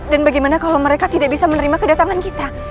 dan bagaimana kalau mereka tidak bisa menerima kedatangan kita